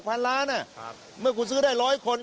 คุณซื้อได้แล้ว๖พันล้านคุณซื้อได้๑๐๐คน